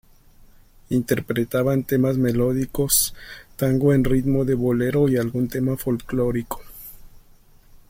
Interpretaban temas melódicos, tangos en ritmo de bolero y algún tema folklórico.